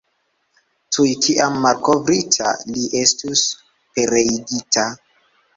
Tuj kiam malkovrita, li estus pereigita.